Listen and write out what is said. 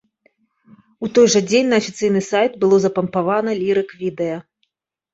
У той жа дзень на афіцыйны сайт было запампавана лірык-відэа.